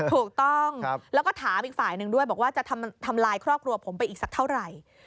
ถูกต้องแล้วก็ถามอีกฝ่ายหนึ่งด้วยบอกว่าจะทำลายครอบครัวผมไปอีกสักเท่าไหร่